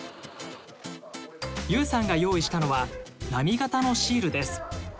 結有さんが用意したのは波形のシールです。